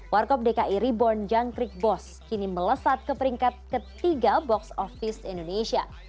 warkop dki reborn jangkrik bos kini melesat ke peringkat ketiga box office indonesia